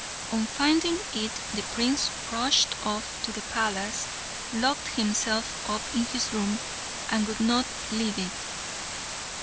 On finding it the prince rushed off to the palace, locked himself up in his room, and would not leave it.